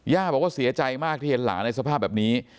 บอกว่าเสียใจมากที่เห็นหลานในสภาพแบบนี้